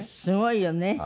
すごいよね。